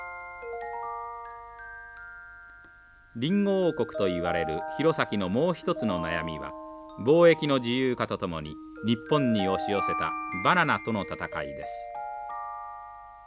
リンゴ王国といわれる弘前のもう一つの悩みは貿易の自由化とともに日本に押し寄せたバナナとの戦いです。